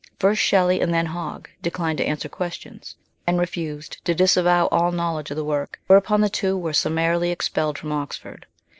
First Shelley, and then Hogg, declined to answer questions, and refused to disavow all know ledge of the work, whereupon the two were summarily 44 MBS. SHELLEY. expelled from Oxford.